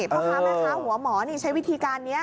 เพราะครับนะคะหัวหมอนี่ใช้วิธีการนี้